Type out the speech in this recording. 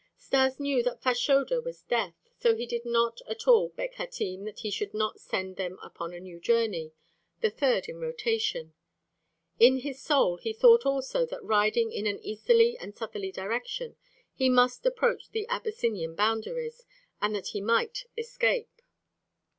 Stas knew that Fashoda was death, so he did not at all beg Hatim that he should not send them upon a new journey, the third in rotation. In his soul, he thought also that riding in an easterly and southerly direction, he must approach the Abyssinian boundaries and that he might escape.